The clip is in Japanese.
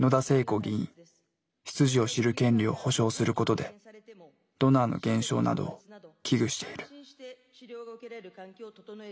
出自を知る権利を保障することでドナーの減少などを危惧している。